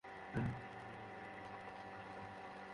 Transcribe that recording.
খোদাকে শ্রদ্ধা জানানোর পরিবর্তে আমরা পূর্বপুরুষদের শ্রদ্ধা জানাই।